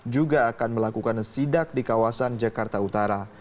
juga akan melakukan sidak di kawasan jakarta utara